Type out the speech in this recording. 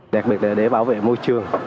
đặc biệt là để bảo vệ môi trường